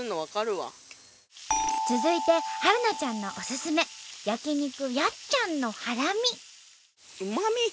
続いて春菜ちゃんのおすすめ焼肉やっちゃんのハラミ。